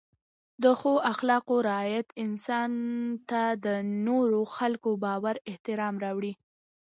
د ښو اخلاقو رعایت انسان ته د نورو خلکو باور او احترام راوړي.